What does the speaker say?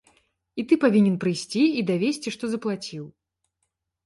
І ты павінен прыйсці і давесці, што заплаціў.